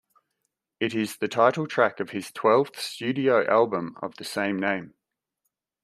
It is the title track of his twelfth studio album of the same name.